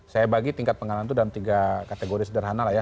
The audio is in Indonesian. saya bagi tingkat pengenalan itu dalam tiga kategori sederhana lah ya